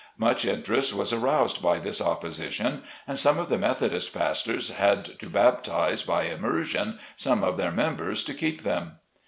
Much interest was aroused by this opposition, and some of the Methodist pastors had to baptize by immersion some of their members to keep them.